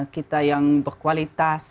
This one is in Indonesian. kita yang berkualitas